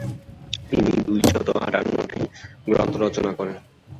তিনি দুই শত আটান্নটি গ্রন্থ রচনা করেন।